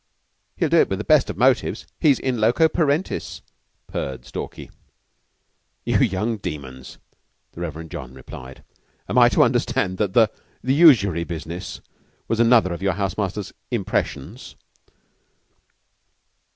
"He'd do it with the best o' motives. He's in loco parentis," purred Stalky. "You young demons!" the Reverend John replied. "And am I to understand that the the usury business was another of your house master's impressions?"